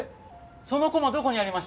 その駒どこにありました？